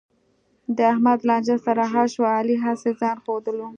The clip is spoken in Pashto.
د احمد لانجه سره حل شوه، علي هسې ځآن ښودلو.